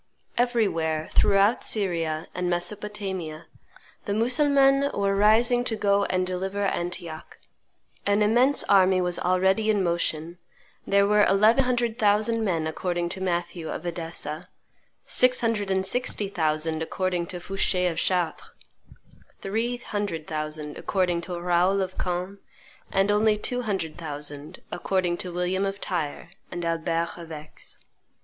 Everywhere, throughout Syria and Mesopotamia, the Mussulmans were rising to go and deliver Antioch; an immense army was already in motion; there were eleven hundred thousand men according to Matthew of Edessa, six hundred and sixty thousand according to Foucher of Chartres, three hundred thousand according to Raoul of Caen, and only two hundred thousand according to William of Tyre and Albert of Aix.